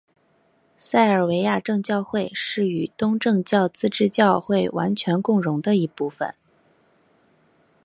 塞尔维亚正教会是与东正教自治教会完全共融的一部分。